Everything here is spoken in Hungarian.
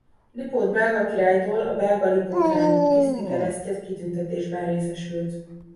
Lipót belga királytól a Belga Lipót-rend tiszti keresztje kitüntetésben részesült.